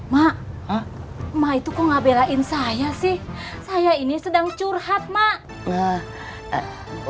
mak mak itu kok ngabelain saya sih saya ini sedang curhat mak